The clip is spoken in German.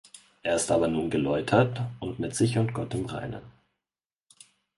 Er ist aber nun geläutert und mit sich und Gott im Reinen.